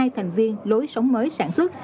hai thành viên lối sống mới sản xuất